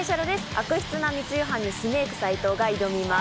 悪質な密輸犯にスネーク斉藤が挑みます。